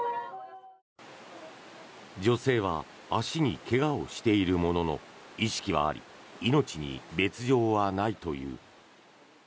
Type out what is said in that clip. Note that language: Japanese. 女性は足に怪我をしているものの意識はあり命に別条はないという。